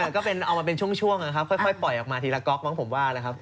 ก็เป็นเอามาเป็นช่วงนะครับค่อยปล่อยออกมาทีละก๊อกมั้งผมว่านะครับ